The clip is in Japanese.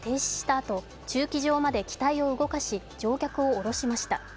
あと駐機場まで機体を動かし、乗客を降ろしました。